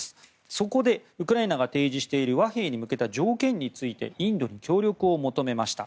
そこで、ウクライナが提示している、和平に向けた条件についてインドに協力を求めました。